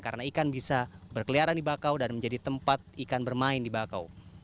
karena ikan bisa berkeliaran di bakau dan menjadi tempat ikan bermain di bakau